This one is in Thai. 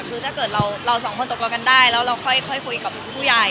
คือถ้าเกิดเราสองคนตกลงกันได้แล้วเราค่อยคุยกับผู้ใหญ่